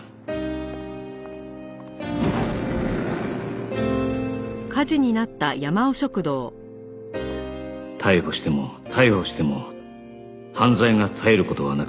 逮捕しても逮捕しても犯罪が絶える事はなく